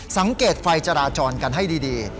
สังเกตไฟจราจรกันให้ดี